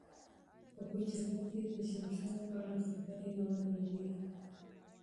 په حجره کې د شمشاد په اړه خبرې روانې وې.